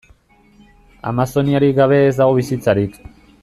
Amazoniarik gabe ez dago bizitzarik.